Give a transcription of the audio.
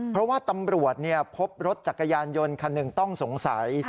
เพราะว่าตำรวจพบรถจักรยานยนต์คันหนึ่งต้องสงสัย